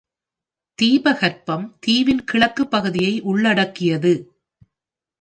தீபகற்பம் தீவின் கிழக்கு பகுதியை உள்ளடக்கியது.